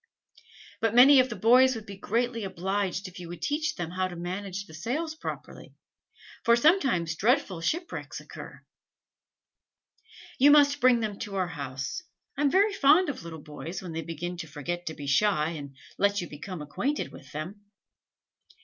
But many of the boys would be greatly obliged to you if you would teach them how to manage the sails properly, for sometimes dreadful shipwrecks occur." "You must bring them to our house. I am very fond of little boys, when they begin to forget to be shy, and let you become acquainted with them."